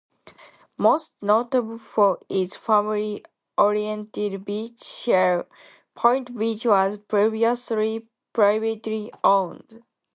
Most notable for its family oriented beach, Shell Point Beach was previously privately owned.